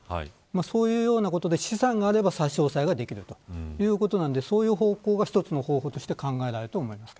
そういうことで資産があれば差し押さえができるということなんでそういう方向が一つの方法として考えられます。